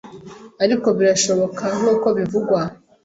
ariko birashoboka nk’uko bivugwa